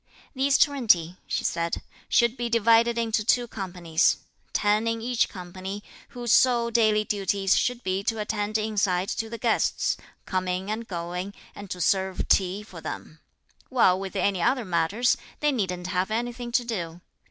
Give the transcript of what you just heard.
"These twenty," she said "should be divided into two companies; ten in each company, whose sole daily duties should be to attend inside to the guests, coming and going, and to serve tea for them; while with any other matters, they needn't have anything to do.